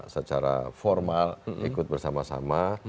secara formal ikut bersama sama